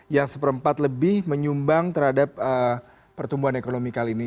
yang seperempat lebih menyumbang terhadap pertumbuhan ekonomi kali ini